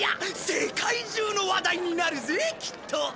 世界中の話題になるぜきっと。